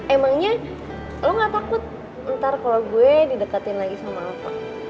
emangnya lo gak takut ntar kalau gue didekatin lagi sama apa